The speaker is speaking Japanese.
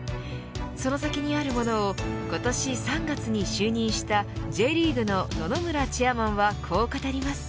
その先にあるものを今年３月に就任したＪリーグの野々村チェアマンはこう語ります。